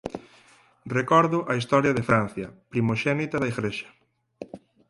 Recordo a historia de Francia primoxénita da Igrexa.